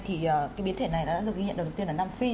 thì cái biến thể này đã được ghi nhận đầu tiên ở nam phi